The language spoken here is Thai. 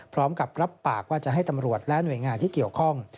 พร้อมกับรับปากว่าจะให้ตำรวจและหน่วยงานที่เกี่ยวข้อง